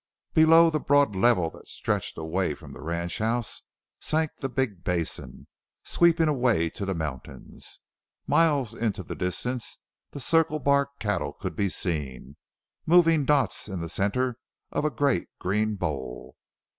Below the broad level that stretched away from the ranchhouse sank the big basin, sweeping away to the mountains. Miles into the distance the Circle Bar cattle could be seen moving dots in the center of a great, green bowl.